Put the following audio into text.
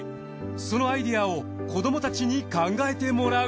そのアイデアを子どもたちに考えてもらう。